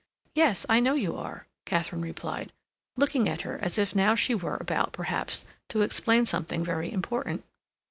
"Yes; I know you are," Katharine replied, looking at her as if now she were about, perhaps, to explain something very important.